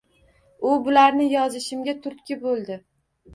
U bularni yozishimga turtki boʻldi.